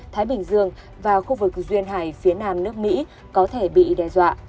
thái bình dương và khu vực duyên hải phía nam nước mỹ có thể bị đe dọa